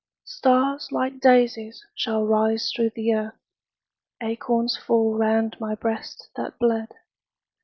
Stars, like daisies, shall rise through the earth, Acorns fall round my breast that bled.